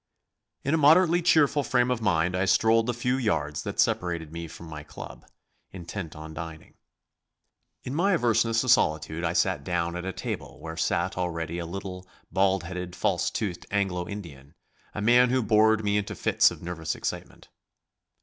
In a moderately cheerful frame of mind I strolled the few yards that separated me from my club intent on dining. In my averseness to solitude I sat down at a table where sat already a little, bald headed, false toothed Anglo Indian, a man who bored me into fits of nervous excitement.